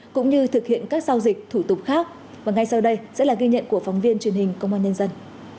cũng như thực hiện các giao dịch thủ tục khác và ngay sau đây sẽ là ghi nhận của phóng viên truyền hình công an nhân dân